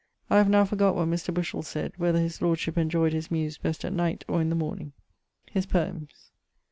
I have now forgott what Mr. Bushell sayd, whether his lordship enjoyed his Muse best at night, or in the morning. <_His poems.